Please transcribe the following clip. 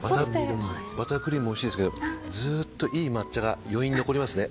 バタークリームおいしいですけどずっといい抹茶が余韻が残りますね。